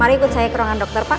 mari ikut saya ke ruangan dokter pak